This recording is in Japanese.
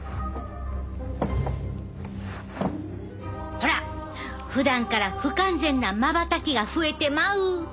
ほらふだんから不完全なまばたきが増えてまう！